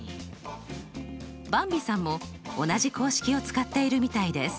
ばんびさんも同じ公式を使っているみたいです。